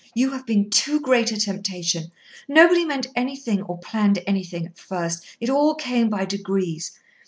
You have been too great a temptation. Nobody meant anything or planned anything at first. It all came by degrees.